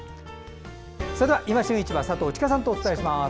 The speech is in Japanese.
それでは「いま旬市場」佐藤千佳さんとお伝えします。